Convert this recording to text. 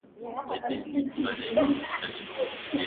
Edeni pale Mungu alipomwambia nyoka yaani shetani kuhusu mwanamke